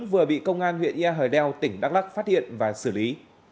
vừa bị công an huyện yà đeo tỉnh đắk lắc phát hiện và xử lý